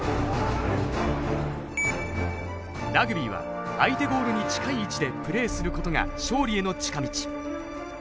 ラグビーは相手ゴールに近い位置でプレーすることが勝利への近道。